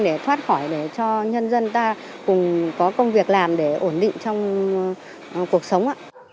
để thoát khỏi để cho nhân dân ta cùng có công việc làm để ổn định trong cuộc sống ạ